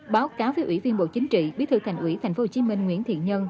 báo cáo với ủy viên bộ chính trị bí thư thành ủy tp hcm nguyễn thiện nhân